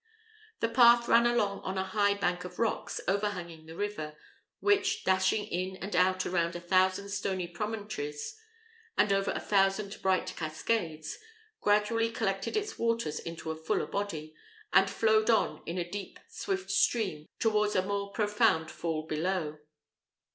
The path ran along on a high bank of rocks overhanging the river, which, dashing in and out round a thousand stony promontories, and over a thousand bright cascades, gradually collected its waters into a fuller body, and flowed on in a deep swift stream towards a more profound fall below.